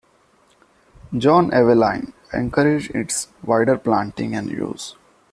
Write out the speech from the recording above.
John Evelyn encouraged its wider planting and use.